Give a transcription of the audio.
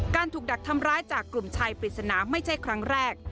ถูกดักทำร้ายจากกลุ่มชายปริศนาไม่ใช่ครั้งแรก